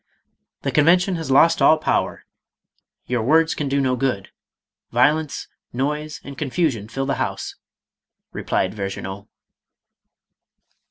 " The Convention has lost all power. Your words can do no good. Vio lence, noise, and confusion fill the House," replied Ver ginaud.